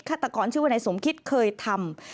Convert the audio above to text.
ฆาตกรชื่อว่านายสมคิตเคยทำ